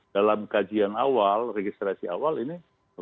dalam kajian awal registrasi awal ini